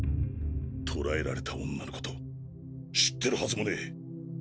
捕らえられた女のこと知ってるはずもねえ。